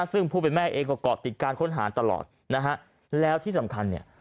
ซึ่งผู้เป็นแม่เองก็เกาะติดการค้นหาตลอดนะฮะแล้วที่สำคัญเนี่ย